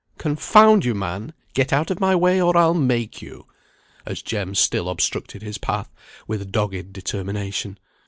Confound you, man! get out of my way, or I'll make you," as Jem still obstructed his path with dogged determination.